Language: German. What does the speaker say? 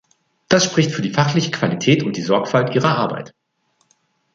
Das spricht für die fachliche Qualität und die Sorgfalt Ihrer Arbeit.